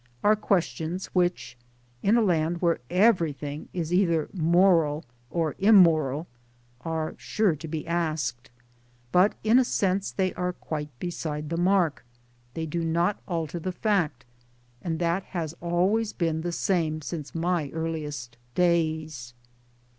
are questions which (in a land where everything is either moral or immoral) are sure to be asked. But in a sense they are quite beside the mark. They do not UNIVERSITY EXTENSION! 97 alter the fact ; and that has always been the sarnie since my earliest days.